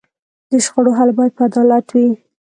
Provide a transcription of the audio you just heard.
د شخړو حل باید په عدالت وي.